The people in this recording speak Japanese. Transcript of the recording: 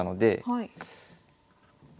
はい。